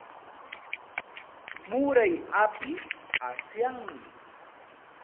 Muray api asyami.